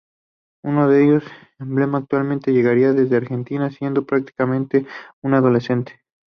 Uno de ellos, emblema actualmente, llegaría desde Argentina siendo prácticamente un adolescente.